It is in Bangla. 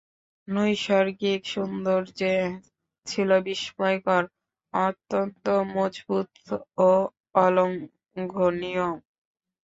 নৈসর্গিক সৌন্দর্যে ছিল বিস্ময়কর, অত্যন্ত মজবুত ও অলংঘনীয়।